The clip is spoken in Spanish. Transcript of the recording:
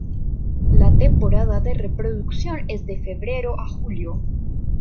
La temporada de reproducción es de febrero a julio.